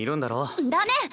ダメ！